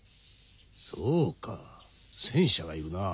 そうか戦車がいるなぁ。